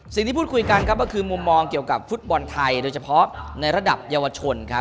สิ่งที่พูดคุยกันครับก็คือมุมมองเกี่ยวกับฟุตบอลไทยโดยเฉพาะในระดับเยาวชนครับ